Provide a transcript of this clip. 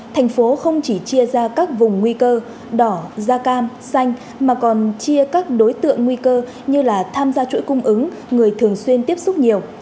thành phố không chỉ chia ra các vùng nguy cơ đỏ da cam xanh mà còn chia các đối tượng nguy cơ như là tham gia chuỗi cung ứng người thường xuyên tiếp xúc nhiều